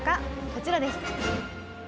こちらです。